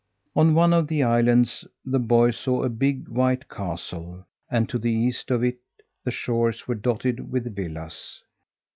On one of the islands the boy saw a big, white castle, and to the east of it the shores were dotted with villas.